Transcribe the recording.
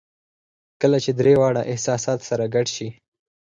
کله چې درې واړه احساسات سره ګډ شي